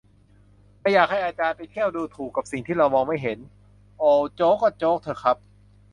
"ไม่อยากให้อาจารย์ไปเที่ยวดูถูกกับสิ่งที่เรามองไม่เห็น" โอว โจ๊กก็โจ๊กเถอะครับ